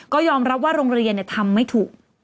ก็ยอมรับว่าโรงเรียนทำไม่ถูก